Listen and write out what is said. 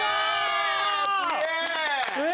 すげえ！